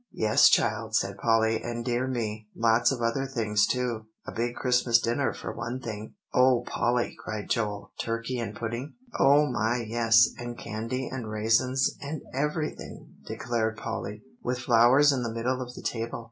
"Yes, child," said Polly; "and dear me, lots of other things too a big Christmas dinner for one thing." "O Polly!" cried Joel, "turkey and pudding?" "O my, yes and candy, and raisins, and everything," declared Polly; "with flowers in the middle of the table."